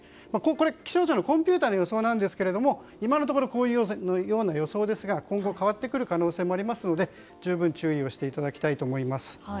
これ、気象庁のコンピューターの予想なんですが今のところこういうような予想ですが今後、変わってくる可能性もありますので十分、注意をしていただきたいと思います。